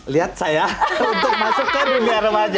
lihat saya untuk masuk ke dunia remaja